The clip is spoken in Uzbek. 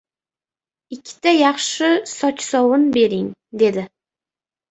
— Ikkita yaxshi sochsovun bering, — dedi.